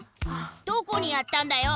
どこにやったんだよ！